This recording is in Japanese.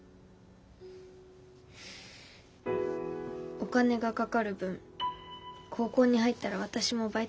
お金がかかる分高校に入ったら私もバイトするから。